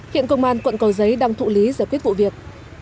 hiện công an quận cầu giấy đang thụ lý giải quyết vụ việc